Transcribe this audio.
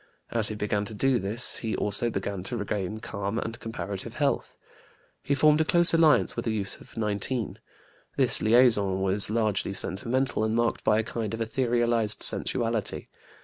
As he began to do this, he also began to regain calm and comparative health. He formed a close alliance with a youth of 19. This liaison was largely sentimental, and marked by a kind of etherealized sensuality.